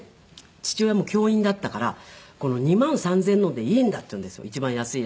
父親も教員だったからこの２万３０００円のでいいんだっていうんですよ一番安いやつ。